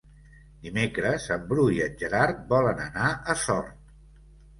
Dimecres en Bru i en Gerard volen anar a Sort.